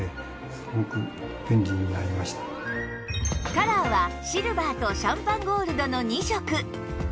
カラーはシルバーとシャンパンゴールドの２色